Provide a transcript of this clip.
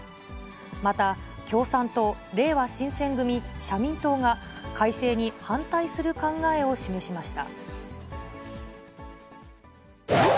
また、共産党、れいわ新選組、社民党が、改正に反対する考えを示しました。